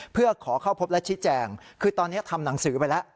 เพื่อขอเข้าพบและชี้แจงคือตอนนี้ทำหนังสือไปแล้ว